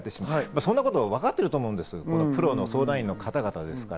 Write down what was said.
そんなことわかってると思うんです、プロの相談員の方々ですから。